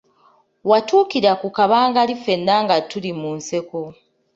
W’atuukira ku Kabangali ffenna nga tuli mu nseko.